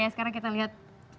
sekarang kita lihat